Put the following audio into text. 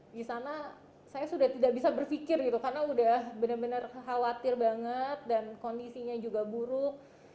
di sana saya sudah tidak bisa berpikir gitu karena udah bener bener khawatir banget dan kondisinya juga buruk